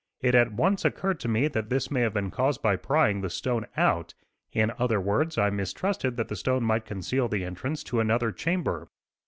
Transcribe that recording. It at once occurred to me that this may have been caused by prying the stone out in other words, I mistrusted that the stone might conceal the entrance to another chamber.